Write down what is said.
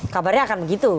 kabarnya akan begitu